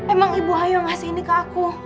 emang ibu ayu yang ngasih ini kak aku